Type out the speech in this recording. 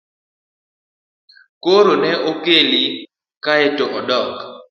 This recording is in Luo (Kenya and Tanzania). Koro ne okeli kaeto odok?